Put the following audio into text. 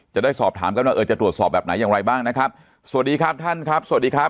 จะได้สอบถามกันว่าเออจะตรวจสอบแบบไหนอย่างไรบ้างนะครับสวัสดีครับท่านครับสวัสดีครับ